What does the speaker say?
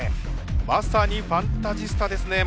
まさにファンタジスタですね松木さん。